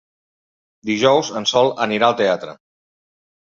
Dijous en Sol anirà al teatre.